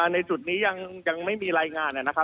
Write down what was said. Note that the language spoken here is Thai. ในจุดนี้ยังไม่มีรายงานนะครับ